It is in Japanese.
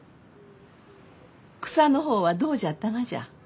草の方はどうじゃったがじゃ？